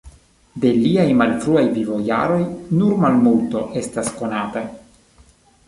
De liaj malfruaj vivojaroj nur malmulto estas konata.